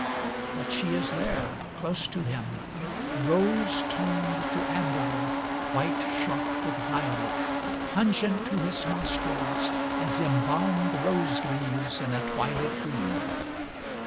But she is there, close to him, rose toned to amber, white shot with violet, pungent to his nostrils as embalmed rose leaves in a twilit room.